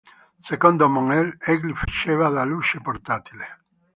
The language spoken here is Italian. Secondo Mon-El, egli faceva da "luce portatile".